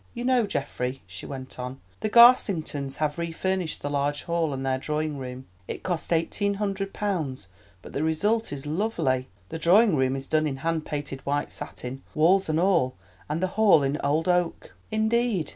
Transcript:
"You know, Geoffrey," she went on, "the Garsingtons have re furnished the large hall and their drawing room. It cost eighteen hundred pounds, but the result is lovely. The drawing room is done in hand painted white satin, walls and all, and the hall in old oak." "Indeed!"